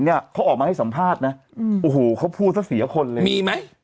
เนี่ยเขาออกมาให้สัมภาษณ์นะโอ้โหเขาพูดซะเสียคนเลยมีไหม